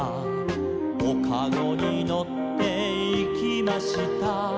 「おかごにのっていきました」